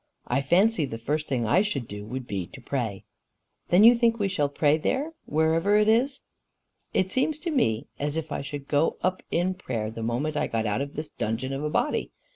I fancy the first thing I should do would be to pray." "Then you think we shall pray there wherever it is?" "It seems to me as if I should go up in prayer the moment I got out of this dungeon of a body.